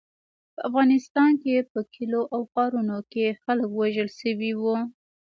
په افغانستان کې په کلیو او ښارونو کې خلک وژل شوي وو.